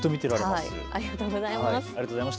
ありがとうございます。